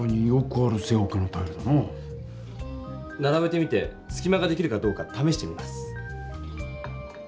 ならべてみてすきまができるかどうかためしてみます。